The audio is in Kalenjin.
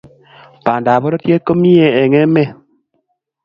pandap pororyet ko mie eng emet